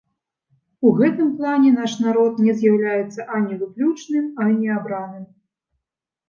У гэтым плане наш народ не з'яўляецца ані выключным, ані абраным.